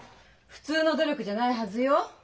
普通の努力じゃないはずよ。